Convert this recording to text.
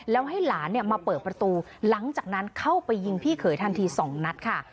แล้วให้หลานมาเปิดประตูหลังจากนั้นเข้าไปยิงพี่เขยทันที๒นัดค่ะ